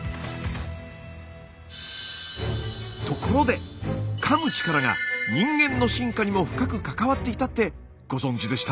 ところでかむ力が人間の進化にも深く関わっていたってご存じでしたか？